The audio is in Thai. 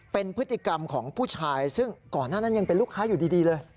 เป็นพฤติกรรมของผู้ชายซึ่งก่อนหน้านั้นยังเป็นลูกค้าอยู่ดีเลย